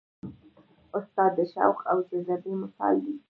استاد د شوق او جذبې مثال دی.